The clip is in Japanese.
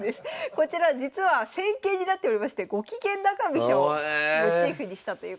こちら実は戦型になっておりましてゴキゲン中飛車をモチーフにしたということです。